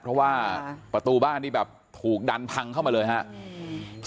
เพราะว่าประตูบ้านนี่แบบถูกดันพังเข้ามาเลยครับ